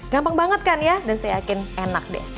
gampang banget kan ya dan saya yakin enak deh